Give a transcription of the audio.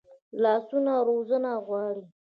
لاسونه روزنه غواړي